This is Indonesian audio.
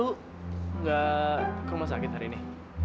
lo nggak ke rumah sakit hari ini